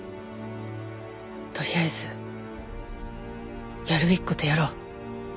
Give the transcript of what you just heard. とりあえずやるべき事をやろう。